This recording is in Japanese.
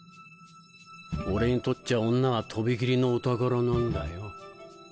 俺にとっちゃ女はとびきりのお宝なんだよ。